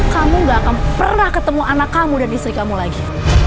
kamu gak akan pernah ketemu anak kamu dan istri kamu lagi